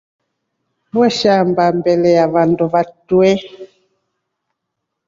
Waishamba mbele ya vandu vatrue.